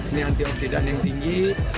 ini antioksidan yang tinggi